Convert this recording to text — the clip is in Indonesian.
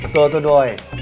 tuh tuh doi